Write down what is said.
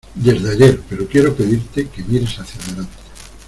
desde ayer, pero quiero pedirte que mires hacia adelante.